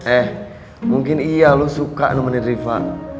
eh mungkin iya lu suka nemenin riva